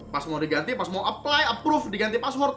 pas mau diganti pas mau apply approve diganti password